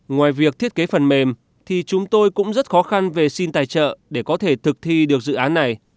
ngoài việc thiết kế phần mềm thì chúng tôi cũng rất khó khăn về xin tài trợ để có thể thực thi được dự án này